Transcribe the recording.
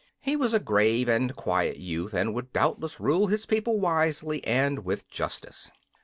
He was a grave and quiet youth, and would doubtless rule his people wisely and with justice.